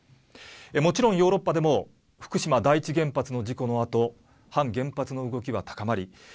もちろんヨーロッパでも福島第一原発の事故のあと反原発の動きは高まり